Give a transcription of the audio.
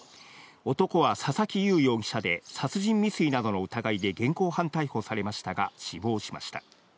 男は佐々木祐容疑者で、殺人未遂などの疑いで現行犯逮捕されましたが、死亡しました。